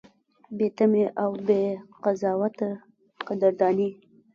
بې تمې او بې قضاوته قدرداني: